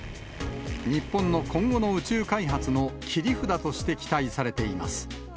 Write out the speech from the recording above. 日本の今後の宇宙開発の切り札として期待されています。